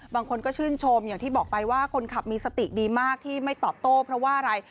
บางคนก็ชื่นชมอย่างที่บอกไปว่าคนขับมีสติดีมากที่ไม่ตอบโต้เพราะว่าอะไร